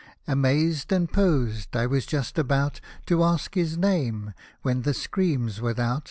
Amazed and posed, I was just about To ask his name, when the screams without.